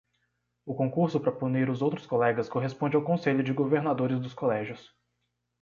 O concurso para punir os outros colegas corresponde ao Conselho de Governadores dos colégios.